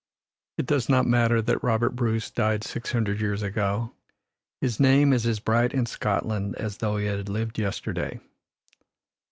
It does not matter that Robert Bruce died six hundred years ago his name is as bright in Scotland as though he had lived yesterday.